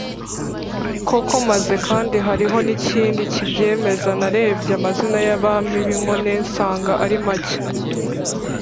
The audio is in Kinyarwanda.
koko. maze kandi hariho n’ikindi kibyemeza: narebye amazina y’abami b’innkore nsanga ari make